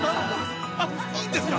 いいんですか？